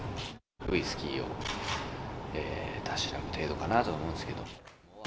ウイスキーをたしなむ程度かなと思うんですけど。